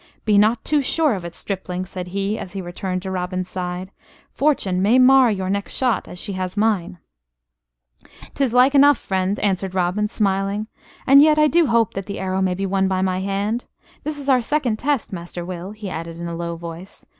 "Be not too sure of it, stripling," said he, as he returned to Robin's side. "Fortune may mar your next shot, as she has mine " "'Tis like enough, friend," answered Robin, smiling; "and yet I do hope that the arrow may be won by my hand. This is our second test, Master Will," he added, in a low voice.